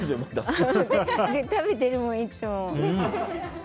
食べてるもん、いつも。